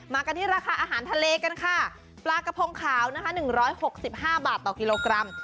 กันที่ราคาอาหารทะเลกันค่ะปลากระพงขาวนะคะ๑๖๕บาทต่อกิโลกรัม